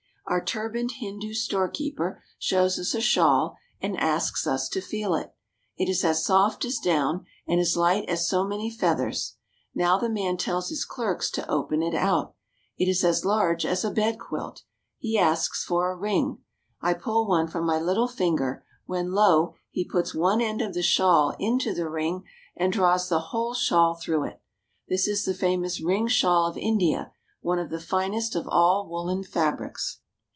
Our turbaned Hindu storekeeper shows us a shawl and asks us to feel it. It is as soft as down, and as light as so many feathers. Now the man tells his clerks to open it out. It is as large as a bedquilt. He asks for a ring. I pull one from my little finger, when lo, he puts one end of 272 THE STORES AND TRADES OF INDIA the shawl into the ring and draws the whole shawl through it. This is the famous ring shawl of India, one of the finest of all woolen fabrics.